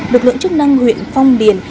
lực lượng chức năng huyện phong điền